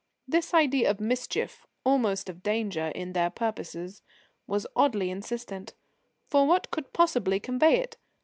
This idea of mischief, almost of danger, in their purposes was oddly insistent; for what could possibly convey it?